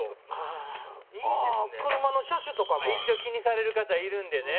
ああ車の車種とかも一応気にされる方いるんでね